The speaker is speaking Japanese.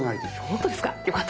本当ですか？